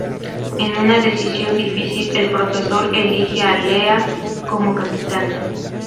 En una decisión difícil, el Profesor elige a Leela como capitana.